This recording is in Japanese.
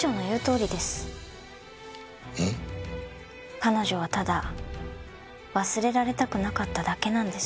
彼女はただ忘れられたくなかっただけなんです。